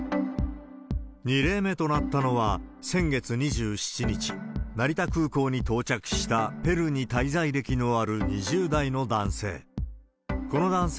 ２例目となったのは先月２７日、成田空港に到着したペルーに滞在歴のある２０代の男性。